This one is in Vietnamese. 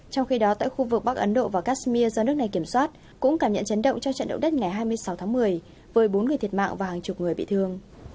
trong khi đó tại khu vực bắc ấn độ và kashmir do nước này kiểm soát cũng cảm nhận chấn động cho trận động đất ngày hai mươi sáu tháng một mươi với bốn người thiệt mạng và hàng chục người bị thương